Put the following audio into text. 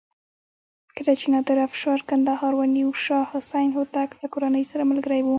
کله چې نادر افشار کندهار ونیو شاه حسین هوتک له کورنۍ سره ملګری و.